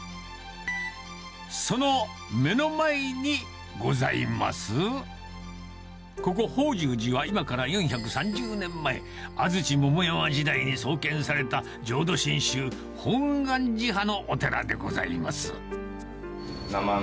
その目の前にございます、ここ、法重寺は今から４３０年前、安土桃山時代に送検された浄土真宗本願寺派のお寺でございます。